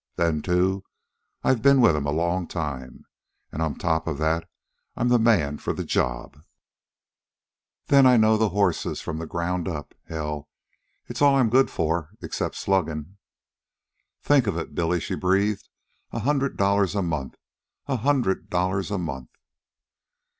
Then, too, I've been with 'em a long time. An' on top of that, I'm the man for the job. They know I know horses from the ground up. Hell, it's all I'm good for, except sluggin'." "Think of it, Billy!" she breathed. "A hundred dollars a month! A hundred dollars a month!"